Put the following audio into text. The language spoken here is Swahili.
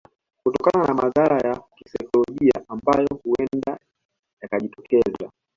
Kutokana na madhara ya kisaikolojia ambayo huenda yakajitokeza